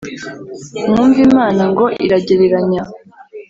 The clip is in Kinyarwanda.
mwumve imana ngo iragereranya